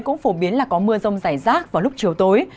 cũng phổ biến là có mưa rông rải rác vào lúc chiều tối